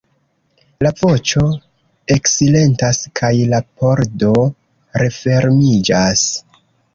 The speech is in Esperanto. La voĉo eksilentas kaj la pordo refermiĝas.